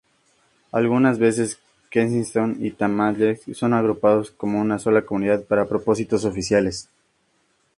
Algunas veces Kensington y Talmadge son agrupados como una sola comunidad para propósitos oficiales.